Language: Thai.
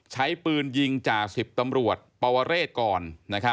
ใช้ปืนยิงจ่า๑๐ตำรวจปวเรศก่อน